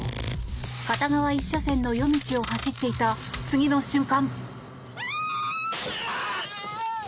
片側１車線の夜道を走っていた次の瞬間。